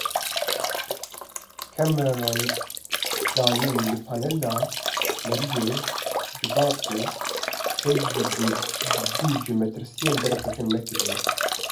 Kamaran Palanî li panela Meriyê, Civakê hêj bi cidî ji metirsiyên derve fêm nekiriye.